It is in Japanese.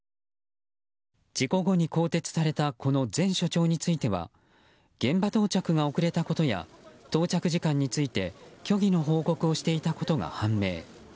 事故後に更迭されたこの前署長については現場到着が遅れたことや到着時間について虚偽の報告をしていたことが判明。